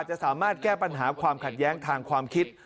จะสามารถแก้ปัญหาความขัดแย้งทางความคิด